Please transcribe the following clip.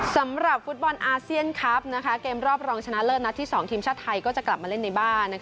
สำหรับฟุตบอลอาเซียนคลับเกมรอบรองชนะเลิศนัดที่๒ทีมชาติไทยก็จะกลับมาเล่นในบ้าน